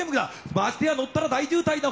ましてや乗ったら大渋滞の血行不良だ。